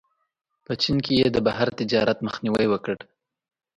په چین کې یې د بهر تجارت مخنیوی وکړ.